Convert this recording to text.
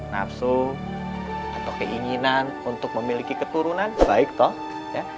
nafsu atau keinginan untuk memiliki keturunan baik toh